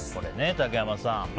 竹山さん。